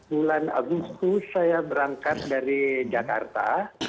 bulan agustus saya berangkat dari jakarta